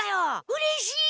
うれしい！